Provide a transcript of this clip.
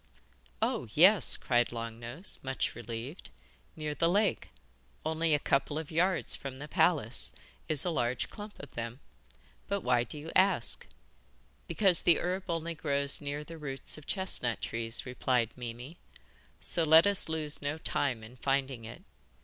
'Oh, yes!' cried Long Nose, much relieved; 'near the lake only a couple of hundred yards from the palace is a large clump of them. But why do you ask?' 'Because the herb only grows near the roots of chestnut trees,' replied Mimi; 'so let us lose no time in finding it.